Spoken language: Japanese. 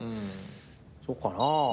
そうかな。